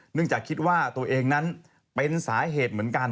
จากคิดว่าตัวเองนั้นเป็นสาเหตุเหมือนกัน